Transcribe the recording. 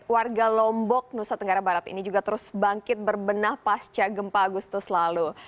warga lombok nusa tenggara barat ini juga terus bangkit berbenah pasca gempa agustus lalu